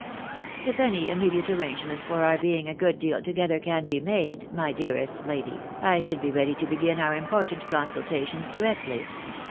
" If any immediate arrangements for our being a good deal together can be made, my dearest lady, I should be ready to begin our important consultations directly.